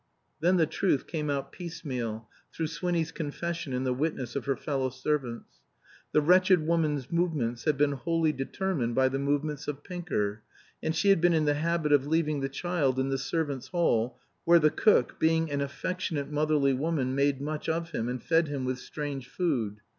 Then the truth came out piecemeal, through Swinny's confession and the witness of her fellow servants. The wretched woman's movements had been wholly determined by the movements of Pinker; and she had been in the habit of leaving the child in the servants' hall, where the cook, being an affectionate motherly woman, made much of him, and fed him with strange food.